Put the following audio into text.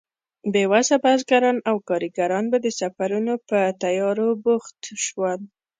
بې وسه بزګران او کارګران به د سفرونو په تيارو بوخت شول.